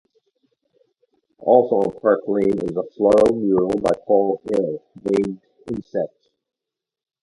Also on Park Lane is a floral mural by Paul Hill named "Inset".